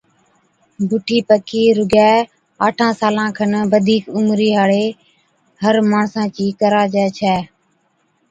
بُٺِي پڪِي رُگَي آٺان سالان کن بڌِيڪ عمرِي ھاڙي ھر ماڻسا چِي ڪراجَي ڇَي